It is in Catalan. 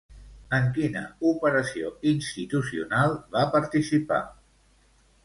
En quina operació institucional va participar?